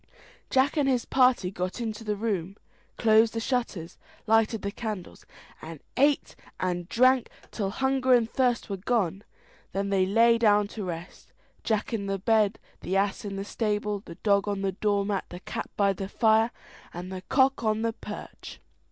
Jack and his party got into the room, closed the shutters, lighted the candles, and ate and drank till hunger and thirst were gone. Then they lay down to rest; Jack in the bed, the ass in the stable, the dog on the door mat, the cat by the fire, and the cock on the perch.